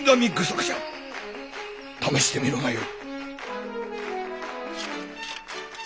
試してみるがよい。